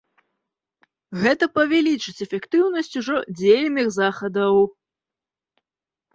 Гэта павялічыць эфектыўнасць ужо дзейных захадаў.